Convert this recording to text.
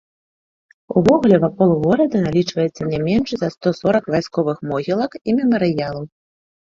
Увогуле вакол горада налічваецца не менш за сто сорак вайсковых могілак і мемарыялаў.